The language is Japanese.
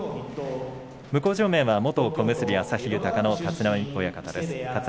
向正面は元小結旭豊の立浪親方です。